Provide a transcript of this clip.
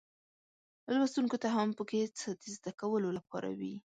لوستونکو ته هم پکې څه د زده کولو لپاره وي.